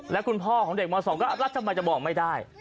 แล้วคุณพ่อของเด็กม๒ก็แล้วทำไมจะบอกไม่ได้